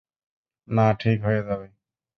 না, ঠিক হয়ে যাবে!